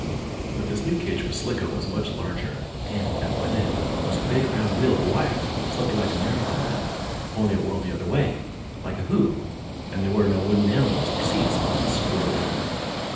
But this new cage for Slicko was much larger, and, at one end, was a big round wheel of wire, something like a merry go round, only it whirled the other way, like a hoop, and there were no wooden animals, or seats, on this squirrel wheel.